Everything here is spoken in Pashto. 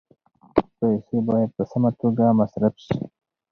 پیسې باید په سمه توګه مصرف شي.